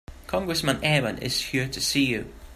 Congressman Aaron is here to see you.